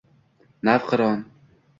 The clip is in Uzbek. navqiron